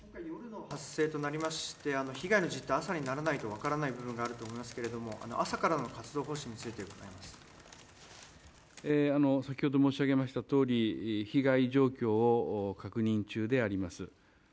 夜の発生となりまして被害の実態は朝にならないと分からない部分があると思いますが朝からの活動方針については？先ほど申し上げました通り被害状況を確認中であります。